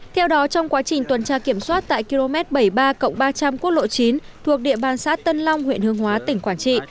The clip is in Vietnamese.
theo đó trong quá trình tuần tra kiểm soát tại km bảy mươi ba ba trăm linh quốc lộ chín thuộc địa bàn xã tân long huyện hương hóa tỉnh quảng trị